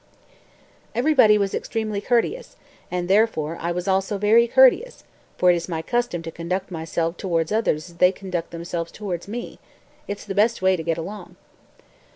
207. "Everybody was extremely courteous, and therefore I was also very courteous; for it is my custom to conduct myself towards others as they conduct themselves towards me, it's the best way to get along."